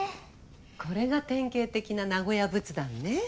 これが典型的な名古屋仏壇ね。